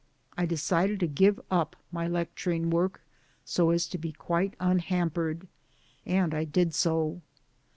I decided to give up my lecturing work so as to be quite unhampered. And I did so.